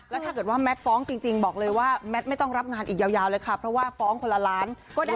แล้วถ้าเกิดว่าแมทฟ้องจริงบอกเลยว่าแมทไม่ต้องรับงานอีกยาวเลยค่ะเพราะว่าฟ้องคนละล้านก็ได้